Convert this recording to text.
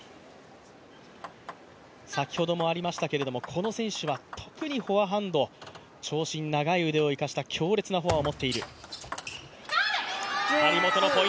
この選手は特にフォアハンド長身、長い腕を生かした強烈なフォアを持っている。